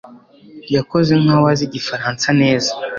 Yakoze nkaho azi igifaransa neza